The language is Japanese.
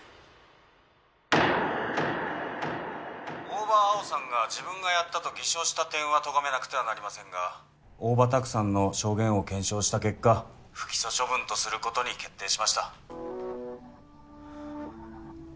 ☎大庭蒼生さんが自分がやったと☎偽証した点はとがめなくてはなりませんが大庭拓さんの証言を検証した結果☎不起訴処分とすることに決定しました